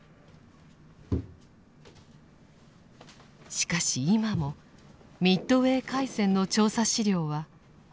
しかし今もミッドウェー海戦の調査資料は捨てられずにいます。